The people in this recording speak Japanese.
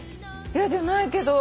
嫌じゃないけど。